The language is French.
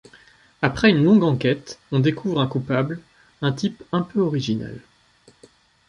Après une longue enquête, on découvre un coupable, un type un peu original.